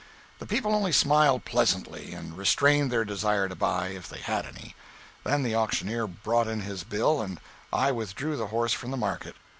The people only smiled pleasantly, and restrained their desire to buy, if they had any. Then the auctioneer brought in his bill, and I withdrew the horse from the market.